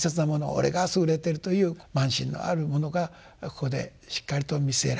俺が優れているという慢心のある者がここでしっかりと見据えられていく。